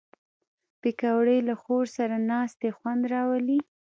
پکورې له خور سره ناستې خوند راولي